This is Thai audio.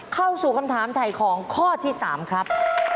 เข้าสู่คำถามถ่ายของข้อที่๓ครับ